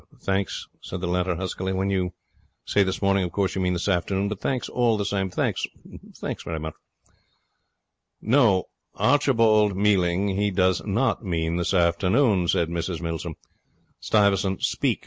'Thanks,' said the latter huskily. 'When you say this morning, of course you mean this afternoon, but thanks all the same thanks thanks.' 'No, Archibald Mealing, he does not mean this afternoon,' said Mrs Milsom. 'Stuyvesant, speak!